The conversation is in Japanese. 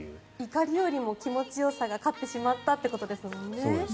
怒りよりも気持ちよさが勝ってしまったということですよね。